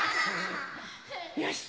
よし！